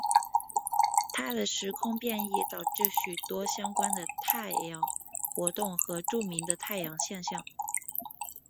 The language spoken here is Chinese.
他的时空变异导致许多相关的太阳活动和著名的太阳现象。